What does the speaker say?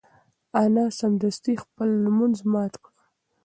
انا سمدستي خپل لمونځ مات کړ.